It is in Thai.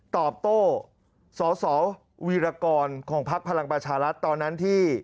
ตอบโต้สสวีรกรของพักพลังประชารัฐตอนนั้นที่